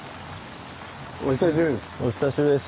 お久しぶりです。